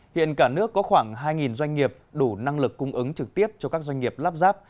hiện cả nước có khoảng hai doanh nghiệp đủ năng lực cung ứng trực tiếp cho các doanh nghiệp lắp ráp